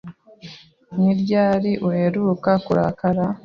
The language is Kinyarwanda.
Ni ryari uheruka kurakara?